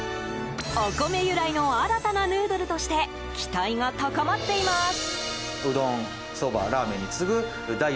お米由来の新たなヌードルとして期待が高まっています。